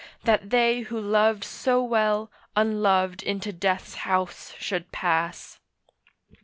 That they who loved so well unloved into Death's house should pass.